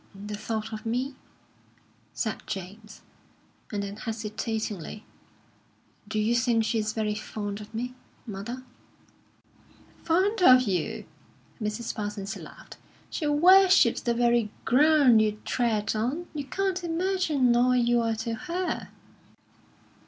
"The thought of me?" said James; and then hesitatingly: "Do you think she is very fond of me, mother?" "Fond of you?" Mrs Parsons laughed. "She worships the very ground you tread on. You can't imagine all you are to her."